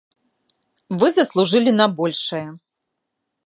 Вы заслужылі на большае.